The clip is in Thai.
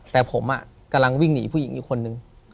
แต่ผมกำลังวิ่งหนีผู้หญิงอีกคนนึง